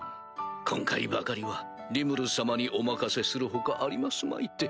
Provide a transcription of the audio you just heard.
今回ばかりはリムル様にお任せする他ありますまいて。